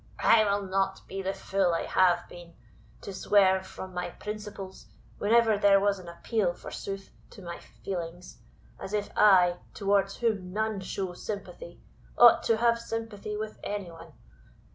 I will not be the fool I have been, to swerve from my principles whenever there was an appeal, forsooth, to my feelings; as if I, towards whom none show sympathy, ought to have sympathy with any one.